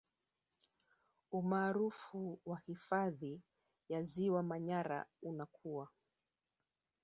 Umaarufu wa hifadhi ya Ziwa Manyara unakua